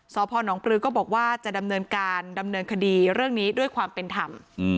สพนปลือก็บอกว่าจะดำเนินการดำเนินคดีเรื่องนี้ด้วยความเป็นธรรม